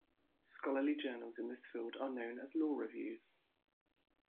Scholarly journals in this field are known as law reviews.